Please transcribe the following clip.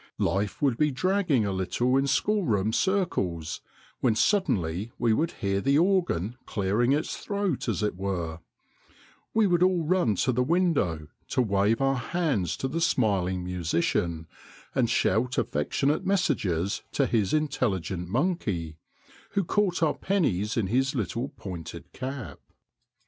Life would be dragging a little in schoolroom circles, when suddenly we would hear the organ clearing its throat as it were ; we would all run to the window to wave our hands to the smiling musician, and shout affectionate messages to his intelligent monkey, who caught our pennies in his little pointed cap.